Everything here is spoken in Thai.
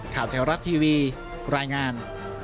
ข่าวแท้รัฐทีวีรายงาน